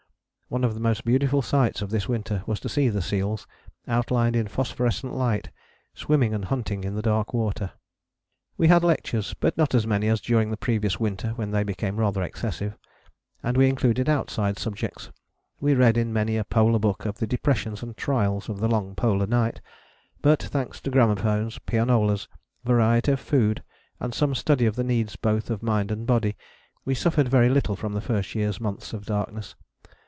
One of the most beautiful sights of this winter was to see the seals, outlined in phosphorescent light, swimming and hunting in the dark water. We had lectures, but not as many as during the previous winter when they became rather excessive: and we included outside subjects. We read in many a polar book of the depressions and trials of the long polar night; but thanks to gramophones, pianolas, variety of food, and some study of the needs both of mind and body, we suffered very little from the first year's months of darkness.